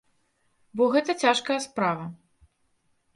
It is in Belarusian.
Бо гэта цяжкая справа.